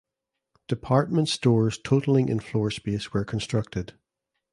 Department stores totalling in floor space were constructed.